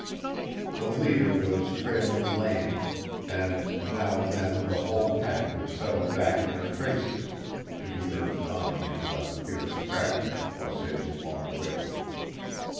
The leader was trailing lame, and now and then the whole pack would settle back in their traces, to be urged on again by the fierce cracking of Croisset's long whip.